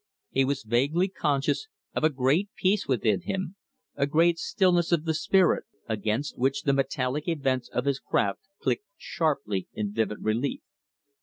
He was vaguely conscious of a great peace within him, a great stillness of the spirit, against which the metallic events of his craft clicked sharply in vivid relief.